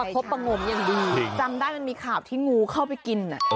พบประงมอย่างดีจำได้มันมีข่าวที่งูเข้าไปกิน